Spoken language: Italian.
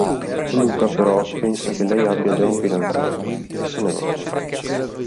Luca però pensa che lei abbia già un fidanzato, e se ne va.